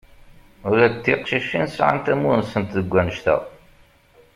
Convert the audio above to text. Ula d tiqcicin sɛan-t amur-nsent deg wannect-a.